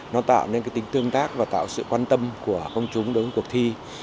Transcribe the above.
nó tạo nên cái tính tương tác và tạo sự quan tâm của công chúng đối với cuộc thi